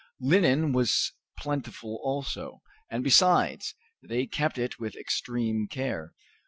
Linen was plentiful also, and besides, they kept it with extreme care.